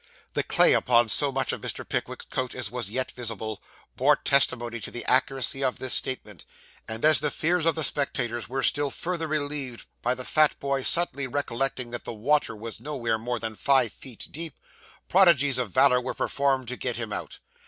The clay upon so much of Mr. Pickwick's coat as was yet visible, bore testimony to the accuracy of this statement; and as the fears of the spectators were still further relieved by the fat boy's suddenly recollecting that the water was nowhere more than five feet deep, prodigies of valour were performed to get him out.